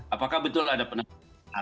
apakah betul ada penahanan